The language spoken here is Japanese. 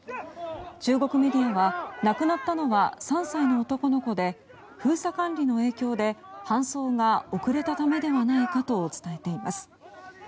中国メディアは亡くなったのは３歳の男の子で封鎖管理の影響で搬送が遅れたためではないかと伝えています。